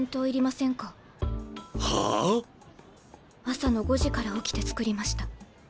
朝の５時から起きて作りました。